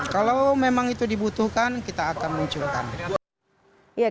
kalau memang itu dibutuhkan kita akan munculkan